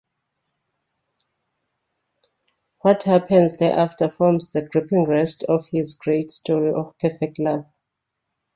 What happens thereafter forms the gripping rest of this great story of perfect love.